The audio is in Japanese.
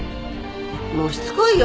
もうしつこいよ！